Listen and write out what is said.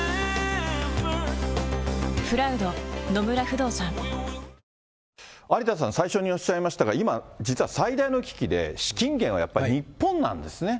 日本から収奪して、有田さん、最初におっしゃいましたが、今、実は最大の危機で、資金源はやっぱり日本なんですね。